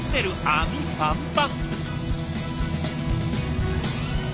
網パンパン！